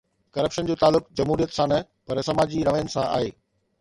Corruption جو تعلق جمهوريت سان نه پر سماجي روين سان آهي.